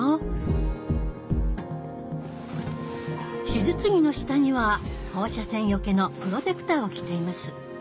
手術着の下には放射線よけのプロテクターを着ています。